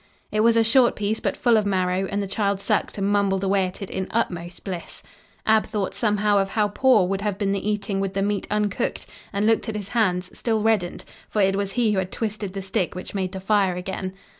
It was a short piece but full of marrow, and the child sucked and mumbled away at it in utmost bliss. Ab thought, somehow, of how poor would have been the eating with the meat uncooked, and looked at his hands, still reddened for it was he who had twisted the stick which made the fire again.